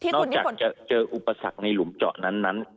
อกจากจะเจออุปสรรคในหลุมเจาะนั้น